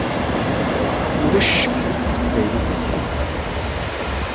Ulac ccek deg teqbaylit-ik.